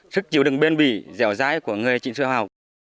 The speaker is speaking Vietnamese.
sức chịu đựng bên bỉ dẻo dai của người trịnh sưu học